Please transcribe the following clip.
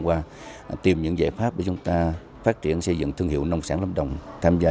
qua tìm những giải pháp để chúng ta phát triển xây dựng thương hiệu nông sản lâm đồng tham gia